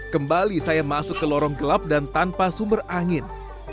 kembali saya masuk ke lorong gelap dan tanpa sumber angin